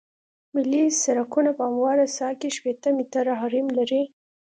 ملي سرکونه په همواره ساحه کې شپیته متره حریم لري